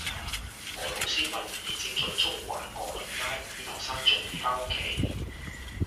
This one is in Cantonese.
何老師問現正在中環閣麟街勸學生早啲返屋企